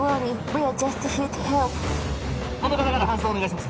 この方から搬送をお願いします